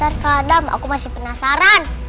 karena aku takut